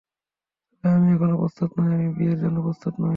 তবে আমি এখনও প্রস্তুত নই, আমি বিয়ের জন্য প্রস্তুত নই।